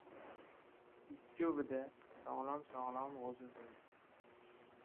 Ikkovi-da sog‘lom-sog‘lom g‘o‘za bo‘ldi.